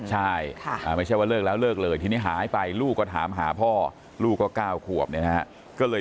ใช่ไม่ใช่ว่าเลิกแล้วเลิกเลยทีนี้หายไปลูกก็ถามหาพ่อลูกก็๙ขวบเนี่ยนะฮะ